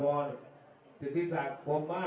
โปรดติดตามต่อไป